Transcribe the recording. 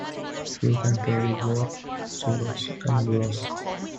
You can pay with both escudos and euros.